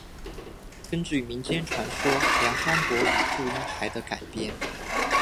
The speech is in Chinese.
根据民间传说梁山伯与祝英台的改编。